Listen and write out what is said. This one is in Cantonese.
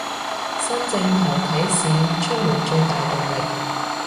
新正頭啟市出門最大動力